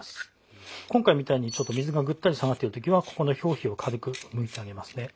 今回みたいにちょっとぐったり下がってる時はここの表皮を軽くむいてあげますね。